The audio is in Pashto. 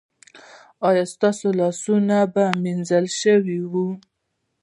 ایا ستاسو لاسونه به مینځل شوي وي؟